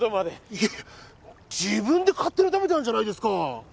いやいや自分で勝手に食べたんじゃないですか！